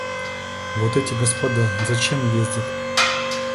Вот эти господа зачем ездят?